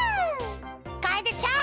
かえでちゃん！